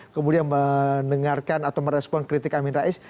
kemudian mendengarkan atau merespon kritik amin rais